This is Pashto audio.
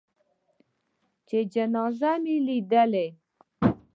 چې جنازه مې لېده.